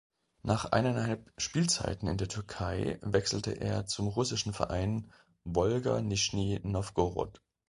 Nach eineinhalb Spielzeiten in der Türkei wechselte er zum russischen Verein Wolga Nischni Nowgorod.